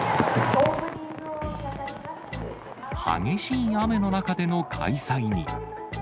激しい雨の中での開催に。